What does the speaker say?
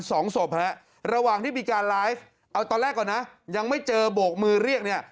สองศพฮะระหว่างที่มีการไลฟ์เอาตอนแรกก่อนนะยังไม่เจอโบกมือเรียกเนี่ย